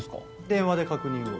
電話で確認を。